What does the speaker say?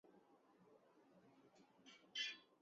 اتنی بے ہنگم ہو گئی ہے اور کئی سیکٹرز اتنے برے لگنے